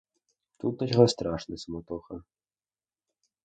Тут началась страшная суматоха.